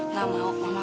nggak mau mama